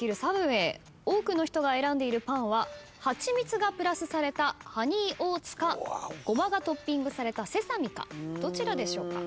多くの人が選んでいるパンは蜂蜜がプラスされたハニーオーツかゴマがトッピングされたセサミかどちらでしょうか？